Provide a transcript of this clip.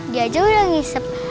dia jauh yang ngisep